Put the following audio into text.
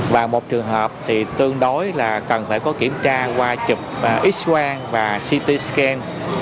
và một trường hợp thì tương đối là cần phải có kiểm tra qua chụp x ray và ct scan